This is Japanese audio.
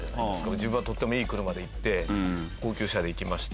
自分はとってもいい車で行って高級車で行きました。